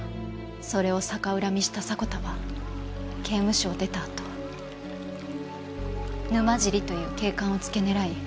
それを逆恨みした迫田は刑務所を出たあと沼尻という警官をつけ狙い